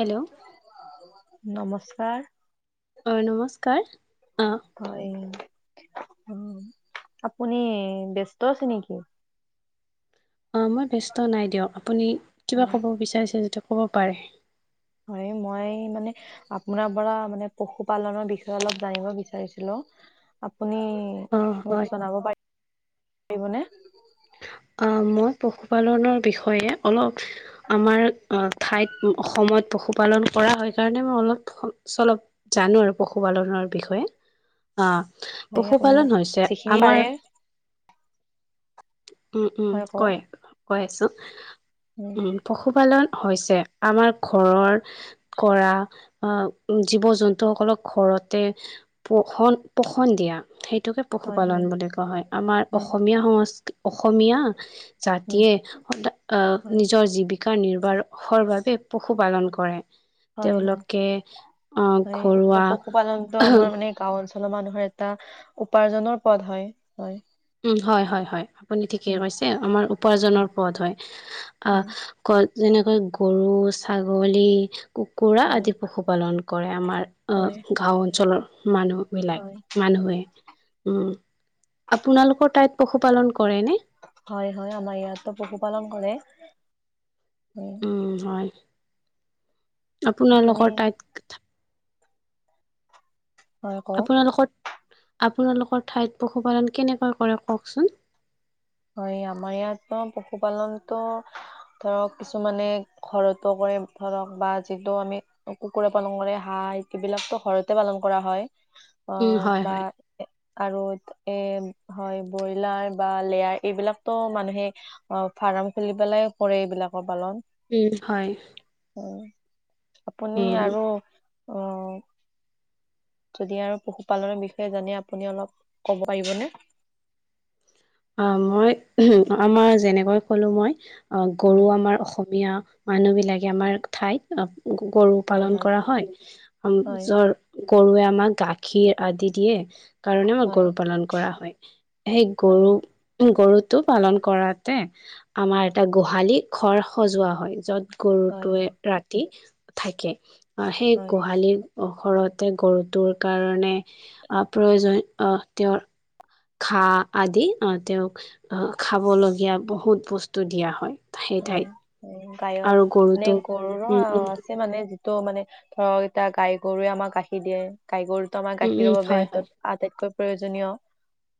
Hello নমস্কাৰ অ নমস্কাৰ অ হয় আপুনি ব্যস্ত আছে নেকি? অ মই ব্যস্ত নাই দিয়ক আপুনি কিবা অ', ক'ব বিচাৰিছে যাতে ক'ব পাৰে। হয় মই মানে আপোনাৰ পৰা মানে পশুপালনৰ বিষয়ে অলপ জানিব বিচাৰিছিলো। আপুনি অঁ হয় মোক জনাব পাৰিবনে? মই পশুপালনৰ বিষয়ে অলপ আমাৰ ঠাইত অসমত পশুপালন কৰা হয় কাৰণে মই অলপ চলপ জানো আৰু পশুপালনৰ বিষয়ে অ হয় আপুনি মোক পশুপালন হৈছে যিখিনি পাৰে আমাৰ উম উম হয় কওক কয় কৈ আছো উম পশুপালন হৈছে আমাৰ ঘৰৰ কৰা আহ জীৱ জন্তু সকলক ঘৰতে পোষন পোষণ দিয়া সেই এইটোকে হয় পশুপালন হয় বুলি কোৱা হয় আমাৰ হয় অসমীয়া সং অসমীয়া উম জাতিয়ে হয় নিজৰ জীৱিকা নিৰ্বাহৰ বাবে পশুপালন কৰে হয় হয় তেওঁলোকে আহ হয় ত ঘৰুৱা পশুপালনটো আমাৰ মানে গাঁও অঞ্চলৰ মানুহৰ এটা উপাৰ্জনৰ পদ হয় হয় উ হয় হয় হয় আপুনি ঠিকে হয় কৈছে আমাৰ উপাৰ্জনৰ পথ হয় অ উম, ক যেনেকৈ গৰু, ছাগলী, কুকুৰা হয় আদি পশুপালন কৰে আমাৰ, আ হয় গাও অঞ্চলৰ মানুহ বিলাক হয় মানুহে উম আপোনালোকৰ তাত পশুপালন কৰে নে? হয় হয় আমাৰ ইয়াতো পশুপালন কৰে। হয় উম হয় আপুনি আপোনালোকৰ তাত হয় কওক আপোনালোকৰ আপোনালোকৰ ঠাইত পশুপালন কেনেকৈ কৰে কওকচোন হয় আমাৰ ইয়াত পশুপালনতো ধৰক কিছুমানে ঘৰতো কৰে ধৰক বা যিটো আমি কুকুৰে পালন কৰে হাঁহ এইবিলাকো ঘৰতে পালন কৰা হয় অ উম হয় বা হয় আৰু এ হয় ব্ৰইলাৰ বা লেয়াৰ এইবিলাকতো মানুহে অ ফাৰ্ম খুলি পেলাই কৰে এইবিলাকৰ পালন [unintelligible] উম হয় অ আপুনি উম আৰু অ যদি আৰু পশুপালনৰ বিষয়ে জানে আপুনি অলপ ক'ব পাৰিবনে অ মই আমাৰ যেনেকৈ কলো মই উম, গৰু আমাৰ অসমীয়া মানুহ বিলাকে আমাৰ ঠাইত গৰু হয় পালন হয় কৰা হয় হয় জৰ গৰুৱে আমাক গাখীৰ আদি দিয়ে কাৰণে আমাৰ হয় গৰু পালন কৰা হয় সেই হয় গৰু গৰুটো পালন কৰাতে আমাৰ এটা গোহালি ঘৰ সজোৱা হয় য'ত হয় হয় গৰুটোৱে ৰাতি থাকে আহ সেই হয় গোহালি ঘৰতে গৰুটোৰ কাৰণে আহ প্ৰয়োজন আহ তেওঁৰ [unintelligible] ঘাঁ আদি আহ তেওঁক আহ খাবলগীয়া বহুত বস্তু দিয়া হয়। সেই অ ঠাইত গায়ৰ আৰু [unintelligible] মানে গৰুটোৰ গৰুৰো উম উম আছে মানে যিটো মানে ধৰক এতিয়া গাই গৰুৱে আমাক গাখীৰ দিয়ে। গাইগৰুটো আমাৰ উম উম গাখীৰৰ বাবে হয় হয় আটাইতকৈ প্ৰয়োজনীয়।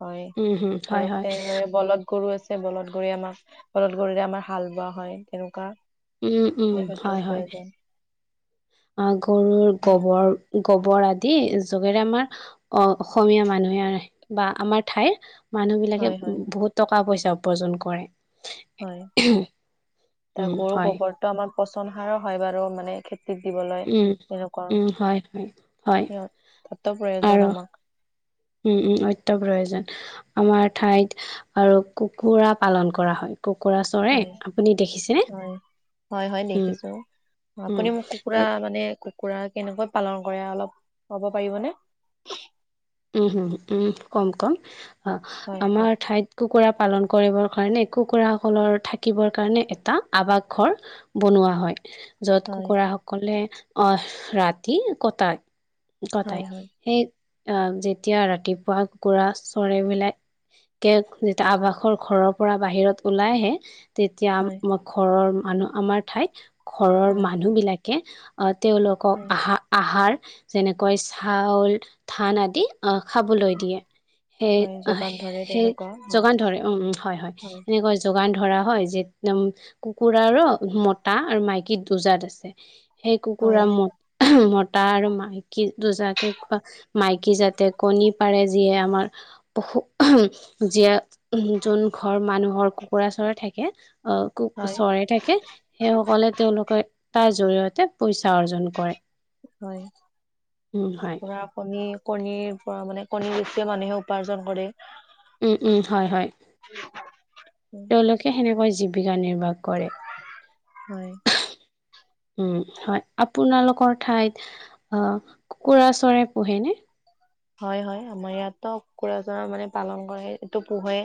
হয় উম হম হয় ধৰক হয় তেনেদৰে বলধ [unintelligible] গৰু আছে বলধ গৰু আমাৰ বলধ গৰুৰে আমাৰ হাল বোৱা হয় তেনেকুৱা। উম-উম এনে [unintelligible] ক্ষেত্ৰত হয়-হয় প্ৰয়োজন আহ গৰুৰ গোবৰ গোবৰ আদি যোগেৰে আমাৰ অসমীয়া মানুহে বা আমাৰ ঠাইৰ [unintelligible] মানুহবিলাকে হয় হয় বহুত টকা-পইচা উপাৰ্জন কৰে। হয় এ উম গৰু হয় গোবৰটো আমাৰ পচন সাৰ হয় বাৰু মানে খেতি দিবলৈ উম তেনেকুৱা [unintelligible] উম হয় হয় হয় সিহঁত তাতো প্ৰয়োজন আমাক উম-উম অত্য় [unintelligible] প্ৰয়োজন আমাৰ ঠাইত আৰু কুকুৰা পালন কৰা হয়। কুকুৰা চৰে হয় আপুনি দেখিছেনে? হয় হয় হয় উম দেখিছো উম, আপুনি মোক কুকুৰা এ মানে [unintelligible] কুকুৰা কেনেকৈ পালন কৰে অলপ কব পাৰিবনে? উম-উম-উম, কম-কম অ হয় আমাৰ হয় ঠাইত কুকুৰা [unintelligible] পালন কৰিবৰ কাৰণে কুকুৰাসকলৰ থাকিবৰ কাৰণে এটা আৱাস ঘৰ বনোৱা হয়। যত কুকুৰা সকলে আহ ৰাতি কটায়। কটাই হয় হয় সেই আহ যেতিয়া ৰাতিপুৱা কুকুৰা চৰায়-মেলাই [unintelligible] কে যেতিয়া আৱাসৰ ঘৰৰ পৰা বাহিৰত ওলাই আহে [unintelligible] তেতিয়া হয় ঘৰৰ মানুহ আমাৰ ঠাইত ঘৰৰ উম মানুহবিলাকে [unintelligible] তেওঁলোকক উম আহা-আহাৰ যেনেকৈ চাউল, ধান আদি অ খাবলৈ দিয়ে। হয় যোগান ধৰে সেই-সেই তেনেকুৱা হয় যোগান ধৰে উম হয়-হয় হয় এনেকৈ যোগান ধৰে। ধৰা হয় যে একদম কুকুৰাৰো মতা আৰু মাইকী দুজাত আছে। সেই কুকুৰা হয় ম-মতা আৰু মাইকী দুজাকে খোৱা [unintelligible] মাইকী যাতে কণী পাৰে যিয়ে আমাৰ পশু যিয়ে [unintelligible] [unintelligible] যোন ঘৰ মানুহৰ কুকুৰা চৰাই থাকে [unintelligible] অ ক হয় চৰে থাকে সেই সকলে তেওঁলোকে তাৰ জৰিয়তে পইচা [unintelligible] অৰ্জন কৰে হয় [inaudible] হয়। কুকুৰা কণী কণীৰ পৰা মানে কণী বেছিও মানুহে উপাৰ্জন কৰে। উম-উম, হয়-হয় উম তেওঁলোকে সেনেকৈ জীৱিকা নিৰ্বাহ কৰে হয় [unintelligible] উম হয় আপোনালোকৰ ঠাইত অ কুকুৰা চৰে পোহেনে? [unintelligible] হয়-হয় আমাৰ ইয়াতো কুকুৰাযোৰা মানে পালন কৰে এইটো পোহে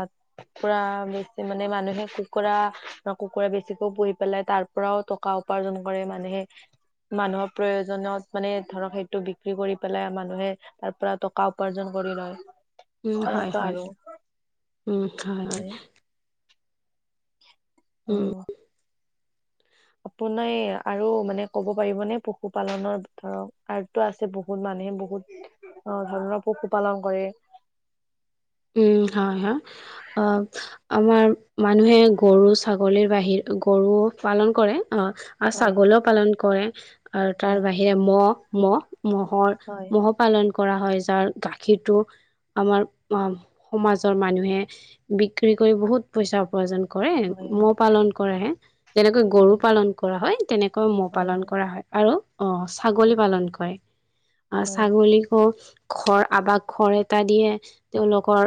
আহ কুকুৰা বেছি মানে মানুহে কুকুৰা-কুকুৰা বেছিকেও পুহি পেলাই তাৰ পৰাও টকা উপাৰ্জন কৰে মানুহে মানুহৰ প্ৰয়োজনত মানে ধৰক সেইটো বিক্ৰী কৰি পেলাই মান মানুহে তাৰ পৰা টকা উপাৰ্জন কৰি লয়। উম তেনেকুৱা আৰু হয়-হয়-হয় মানে অ আপোনাৰ আৰু মানে ক'ব পাৰিবনে পশুপালনৰ ধৰক আৰুটো আছে বহুত মানুহ মানুহে বহুত আহ ধৰণৰ পশুপালন কৰে উম! হয়-হয় অ আমাৰ মানুহে গৰু, ছাগলীৰ বাহিৰে গৰু পালন কৰে অ হয় ছাগলীও পালন কৰে আৰু তাৰ হয় বাহিৰে মহ-মহ মহৰ হয় মহ' পালন কৰা হয় যাৰ গাখীৰটো আমাৰ অ সমাজৰ মানুহে বিক্ৰী কৰি বহুত পইচা উপাৰ্জন। কৰে হয় ম' পালন কৰেহে যেনেকৈ গৰু হয় পালন কৰা হয়। মৌ পালন কৰা হয় আৰু আহ হয় ছাগলী হয় পালন কৰে আহ হয় ছাগলীকো খৰ আবাক ঘৰ এটা দিয়ে। তেওঁলোকৰ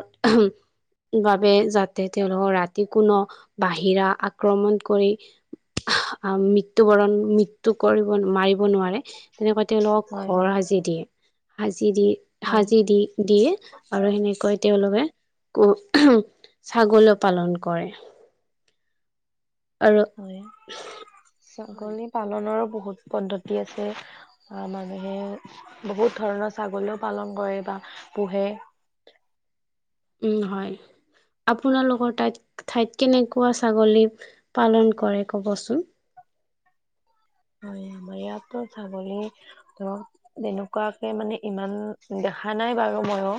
বাবে যাতে তেওঁলোকক ৰাতি কোনোনো বাহিৰা আক্ৰমণ কৰি মৃত্যু বৰণ মৃত্য কৰিব মাৰিব নোৱাৰে। তেনেকুৱা তেওঁলোক ঘৰ হয় সাজি দিয়ে সি দি হয় সাজি দি দিয়ে আৰু সেনে ছাগলী পালন কৰে। আৰু হয় হয় ছাগলী পালনৰো। বহুত পদ্ধতি আছে মানুহে বহুত ধৰণৰ ছাগলীও পালন কৰে বা পোহে উম হয়। আপোনালোকৰ ঠাইত ঠাইত কেনেকুৱা ছাগলী পালন কৰে কবচোন [inaudible] হয় আমাৰ ইয়াতো ছাগলী ধৰক তেনেকুৱাকে মানে ইমান আহা নাই বাৰু মইো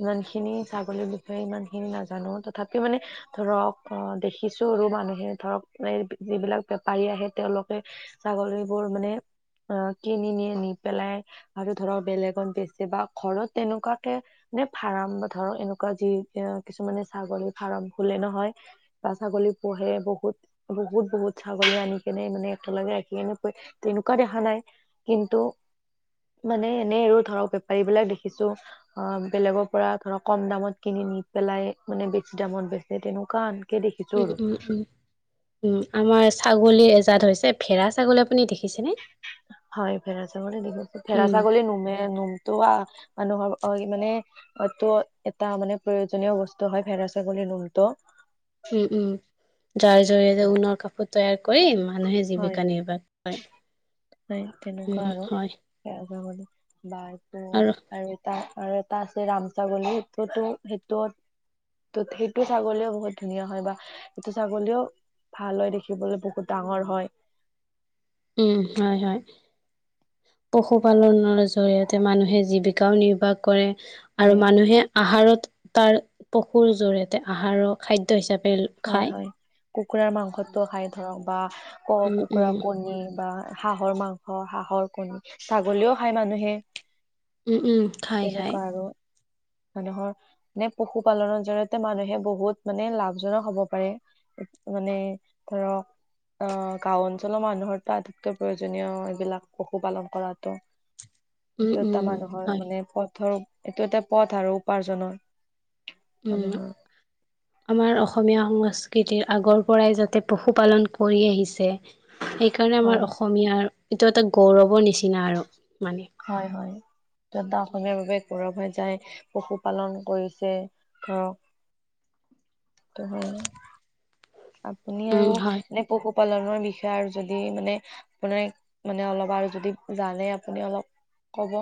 ইমান খিনি ছাগলীৰ বিষয়ে ইমান খিনি নাজানো তথাপি মানে ধৰ ধৰক অ দেখিছো আৰু মানুহে ধৰক এই যিবিলাক বেপাৰী আহে তেওঁলোকে ছাগলীবোৰ মানে আহ কিনি নিয়ে নি পেলাই আৰু ধৰক বেলেগত বেচি বা ঘৰত তেনেকুৱাকে নে ফাৰ্ম বা ধৰ এনেকুৱা যি এ কিছুমানে ছাগলী ফাৰ্ম খুলে নহয় বা ছাগলী পুহে বহুত বহুত বহুত চাগলী আনি কেনে মানে একেলগে। নেকৈ তেনেকুৱা দেখা নাই কিন্তু। মানে এনেই আৰু ধৰক বেপাৰী বিলাক দেখিছো অ বেলেগৰ পৰা ধৰক কম দামত কিনি নি পেলাই মানে বেছি দামত বেচে তেনেকুৱা দেখিছো উম আৰু উম উম উম আমাৰ চাগল ছাগলীৰ এজাত হৈছে ভেৰা ছাগলী আপুনি দেখিছেনে? [inaudible] হয় ভেডা ছাগলী দিছে ভেডা উম ছাগলী নুমে নোমতো মানুহৰ মানে হয়তো এটা মানে প্ৰয়োজনীয় বস্তু হয় ভেড়া ছাগলীৰ নোমটো উম উম যাৰ জৰিয়তে উঊন কাপোৰ তৈয়াৰ কৰি মানুহে হয় জীৱিকা নিৰ্বাহ হয় কৰে তেনেকুৱা উম আৰু হয়। ভেড়া ছাগলী বা এইটো আৰু এটা আৰু এটা আছে ৰাম ছাগলী এইটো সেইটোত ত সেইটো ছাগলীও বহুত ধুনীয়া হয় বা সেইটো ছাগলীও ভাল হয় দেখিবলৈ বহুত ডাঙৰ হয়। উম হয় হয় পশুপালনৰ জৰিয়তে মানুহে জীৱিকাও নিৰ্বাহ কৰে। আৰু হয় মানুহে আহাৰত তাৰ পশুৰ জৰিয়তে আহাৰৰ খাদ্য হিচাপে হয় খায়। হয় কুকুৰাৰ মাংসটো খাই ধৰক বা ক উম, কুকুৰা উম, কণী বা হাঁহৰ মাংস হাঁহৰ কণী ছাগলীও খায় মানুহে উম উম খাই খায়। তেনেকুৱা আৰু মানুহৰ মে পশুপালনৰ জৰিয়তে মানুহে বহুত মানে লাভ জনক হ'ব পাৰে মানে ধৰক আহ গাও অঞ্চলৰ মানুহৰো আটাইতকৈ প্ৰয়োজনীয় এইবিলাক পশুপালন কৰাতো উম, এইটো এটা উম, মানুহৰ হয়, মানে পথৰ এইটো এটা পথ আৰু উপাৰ্জনৰ উম। মানুহৰ আমাৰ অসমীয়া সংস্কৃতিৰ আগৰ পৰাই যাতে পশুপালন কৰি আহিছে। সেইকাৰণে আমাৰ হয়, অসমীয়াৰ এইটো এটা গৌৰৱৰ নিচিনা আৰু মানে। হয় হয় যোনটো অসমীয়াৰ বাবে গৌৰৱ হৈ যাই পশুপালন কৰিছে ধৰক [unintelligible] আপুনি আৰু উম, হয়। নে পশু পালনৰ বিষয়ে আৰু যদি মানে আপোনাৰ মানে অলপ আৰু যদি জানে আপুনি অলপ কব।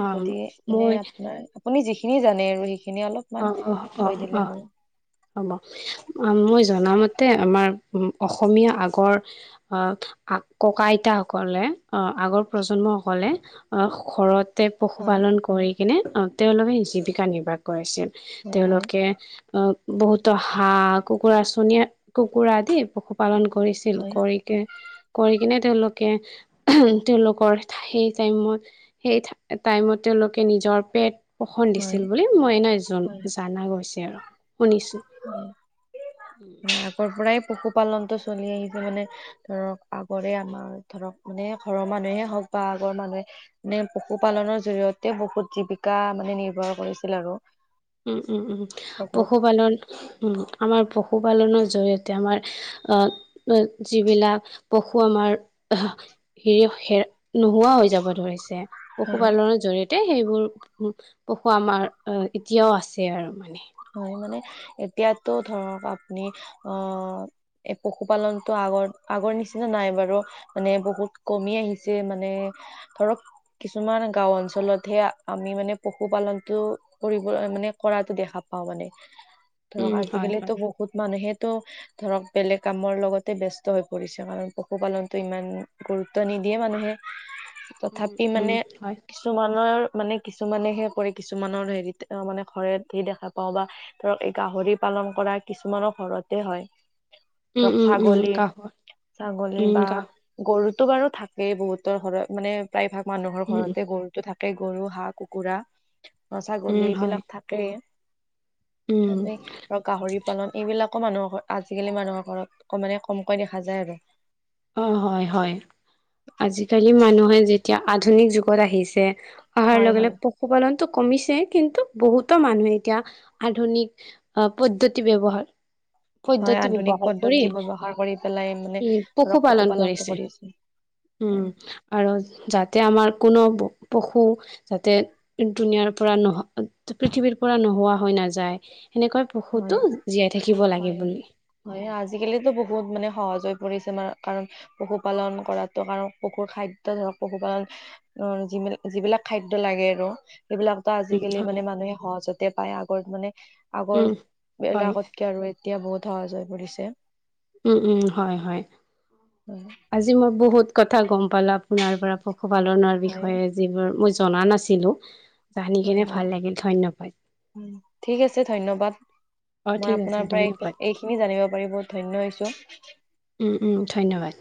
অ যদি মানে মই আপোনাৰ আপুনি যিখিনি জানে আৰু সেইখি এনে অ অলপমান অ অ কৈ দিলে অ হ'ব। হ'ব মই জনামতে আমাৰ অসমীয়া আগৰ, আহ আ ককা আইতাসকলে আগৰ প্ৰজন্মসকলে ঘৰ তে হয়, পশুপালন কৰি কিনে তেওঁলোকে জীৱিকা নিৰ্বাহ কৰাইছিল। হয়, হয়, তেওঁলোকে অ বহুতো হাঁহ কুকুৰা চনিয়া কুকুৰা আদি। পশুপালন কৰিছিল, হয়, কৰি কে কৰি কিনে তেওঁলোকে উ তেওঁলোকৰ সেই টাইমত সেই টাইমত তেওঁলোকে নিজৰ পেট পোষণ হয়, দিছিল বুলি মই নাই জ হয়, জানা গৈছে আৰু। শুনিছোঁ। আগৰ পৰাই পশুপালনটো চলি আহিছে, মানে ধৰক আগৰে আমাৰ ধৰক মানে ঘৰৰ মানুহে হওঁক বা আগৰ মানুহে মানে পশুপালনৰ জৰিয়তে বহুত জীৱিকা মানে নিৰ্ভৰ কৰিছিল আৰু। উম উম উম বহুত পশুপালন আমাৰ পশুপালনৰ জৰিয়তে আমাৰ আহ যিবিলাক প শু আমাৰ, হেৰি হে নোহোৱা হৈ যাব ধৰিছে। উম পশুপালনৰ জৰিয়তে সেইবোৰ পশু আমাৰ এতিয়াও আছে আৰু মানে। হয় মানে এতিয়াটো ধৰক আপুনি অ এই পশুপালনতটো আগৰ আগৰ নিচিনা নাই বাৰু মানে বহুত কমি আহিছে মানে ধৰক কিছুমান গাওঁ অঞ্চলত হে আমি মানে পশুপালনতটো কৰিবলৈ মানে কৰাতটো দেখা পা পাওঁ মানে, ধৰক উম, হয়, হয়, আজিকালিতো বহুত মানুহে তহ ধৰক বেলেগ কামৰ লগতে ব্যস্ত হৈ পৰিছে কাৰণ পশুপালনতটো ইমান গুৰুত্ব নি দিয়ে মানুহে উম, তথাপি উম, মানে হয়, কিছুমানৰ মানে কিছুমানেহে কৰে কিছুমানৰ হেৰিত মানে ঘৰে সে দেখা পওঁ বা ধৰক এই গাহৰি পালন কৰা কিছুমানৰ ঘৰতে হয়, উম, ধৰক উম, উম, ছাগলী গাহৰি ছাগলী উম, বা গা গৰু তো বাৰু থাকেই বহুতৰ ঘৰত মানে প্ৰায় ভাগ মানুহৰ উম, ঘৰতে গৰুতো থা কে গৰু, হাঁহ, কুকুৰা, ছাগলী উম, হয়, এইবিলাক থাকেই। উম, তাৰে ধৰক গাহৰি পালন এইবিলাক আকৌ মানুহৰ আজিকালি মানুহৰ ঘৰত অকমান মানে কমকৈ দেখা যায় আৰু। অ হয় হয়। আজিকালি মানুহে যেতিয়া আধুনিক যুগত আহিছে অহাৰ হয় লগে হয়। লগে পশুপালনটো কমিছে কিন্তু বহুতো মানুহে এতিয়া আধুনিক পদ্ধতি ব্যৱহাৰ হয় পদ্ধতি আধুনিক ব্যৱহাৰ কৰি পদ্ধতি ব্যৱহাৰ কৰি পেলাই মানে উম ধৰক পশুপালন পশুপালনটো কৰিছে উম আৰু যাতে আমাৰ কোনো পশু যাতে দুুনীয়াৰ পৰা নহ পৃথিৱীৰ পৰা নোহোৱা হয় ন নাযায়, সেনেকৈ হয়। পশুটো জীয়াই থাকিব লাগে হয় বুলি। হয় আজিকালিতো বহুত মানে সহজ হৈ পৰিছে ন, কাৰণ পশুপালন কৰাতো কাৰণ পশুৰ খাদ্য ধৰক পশুপালন [unintelligible] অ যিবিলাক যিবিলাক খাদ্য লাগে আৰু। এইবিলাকতো উম আজিকালি হয় মানে মানুহে সহজতে পায় আগৰ মানে আগৰ উম হয় বিলেগতকৈ আৰু এতিয়া বহুত সহজ হৈ পৰিছে। [unintelligible] উম উম হয় হয়। হয়। আজি মই বহুত কথা গম পালো আপোনাৰ পৰা পশুপালনৰ হয় বিষয়ে যিবোৰ মই জনা নাছিলো। জানি হয় কেনে হয় ভাল লাগিল ধন্যবাদ ঠিক আছে, ধন্যবাদ। অ মই ঠিক আছে আপোনাৰ পৰা এই ধন্যবাদ এইখিনি জানিব পাৰি বহুত ধন্য হৈছোঁ। উম উম ধন্যবাদ।